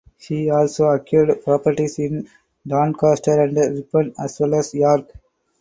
He also acquired properties in Doncaster and Ripon as well as York.